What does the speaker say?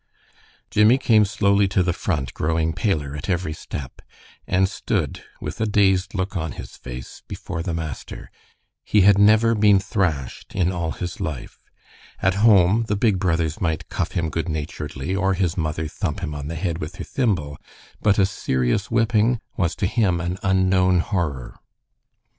Jimmie came slowly to the front, growing paler at each step, and stood with a dazed look on his face, before the master. He had never been thrashed in all his life. At home the big brothers might cuff him good naturedly, or his mother thump him on the head with her thimble, but a serious whipping was to him an unknown horror.